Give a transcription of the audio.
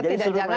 jadi suruh mereka